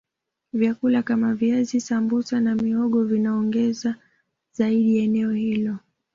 vyakula Kama viazi sambusa na mihogo vinanogesha zaidi eneo hilo